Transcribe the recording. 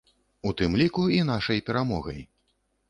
У тым ліку і нашай перамогай.